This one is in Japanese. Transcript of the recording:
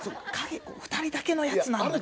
２人だけのやつ。